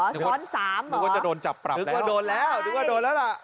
ซ้อน๓เหรอว่าจะโดนจับปรับจะโดนแล้วถึงว่าโดนแล้วกับแร็ค